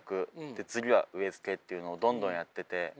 で次は植え付けっていうのをどんどんやってて。